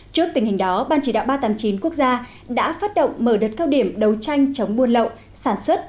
trước tình hình đó ban chỉ đạo ba trăm tám mươi chín quốc gia đã phát động mở đợt cao điểm đấu tranh chống buôn lậu sản xuất